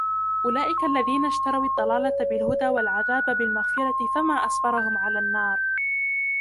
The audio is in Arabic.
أولئك الذين اشتروا الضلالة بالهدى والعذاب بالمغفرة فما أصبرهم على النار